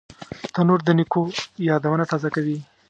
تنور د نیکو یادونه تازه کوي